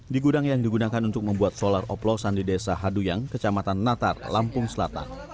di gudang yang digunakan untuk membuat solar oplosan di desa haduyang kecamatan natar lampung selatan